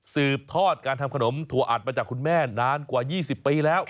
สืบทอดการทำขนมถั่วอัดมาจากคุณแม่นานกว่า๒๐ปีแล้ว